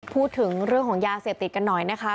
พูดถึงเรื่องของยาเสพติดกันหน่อยนะคะ